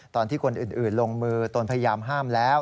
ตอนที่คนอื่นลงมือตนพยายามห้ามแล้ว